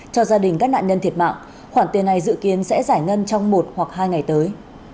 cho gia đình các nạn nhân thiệt mạng khoản tiền này dự kiến sẽ giải ngân trong một hoặc hai ngày tới